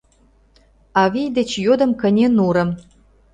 Авий деч йодым кыне нурым